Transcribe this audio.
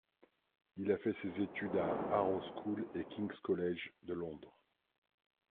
Il a fait ses études à Harrow School et King's College de Londres.